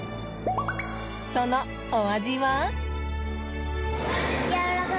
そのお味は？